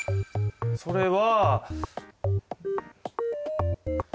それは。